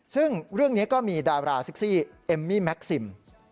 ซึ่งเรื่องนี้ก็มีดาราเซ็กซี่เอมมี่แม็กซิม